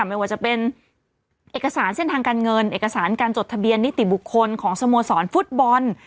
ไม่ว่าจะเป็นเอกสารเส้นทางการเงินเอกสารการจดทะเบียนนิติบุคคลของสโมสรฟุตบอล